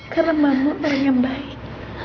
karena mama orang yang baik